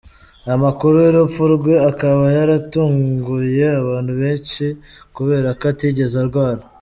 Amakuru y’urupfu rwe akaba yaratunguye abantu benshi kubera ko atigeze arwara.